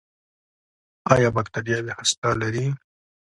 ایا بکتریاوې هسته لري؟